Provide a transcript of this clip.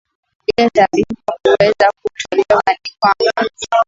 ile taarifa kuweza kutolewa ni kwamba